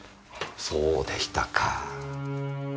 そうでしたか。